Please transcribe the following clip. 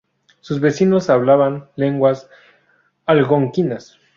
Sus vecinos hablaban lenguas algonquinas.